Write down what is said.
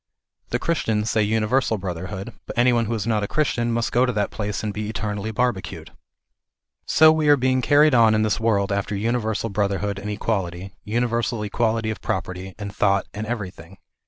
The Christians say universal brotherhood ; but any one who is not a Christian must go to that place and be eternally barbecued. So we are being carried on in this world after univer sal brotherhood and equality, universal equality of property and thought, and everything.